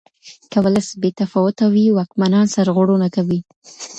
که ولس بې تفاوته وي واکمنان سرغړونه کوي.